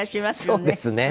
そうですね。